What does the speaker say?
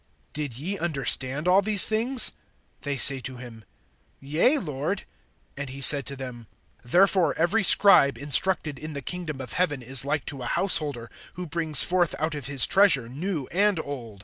(51)Did ye understand all these things? They say to him, Yea, Lord. (52)And he said to them: Therefore every scribe, instructed in the kingdom of heaven, is like to a householder, who brings forth out of his treasure new and old.